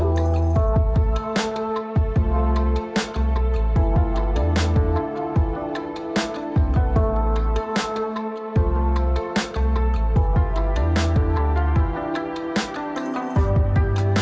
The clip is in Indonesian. resep dan juga bahan bahan yang diambil